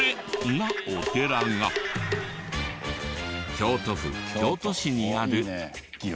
京都府京都市にある。